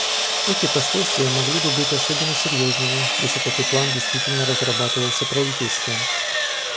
Эти последствия могли бы быть особенно серьезными, если такой план действительно разрабатывался правительством.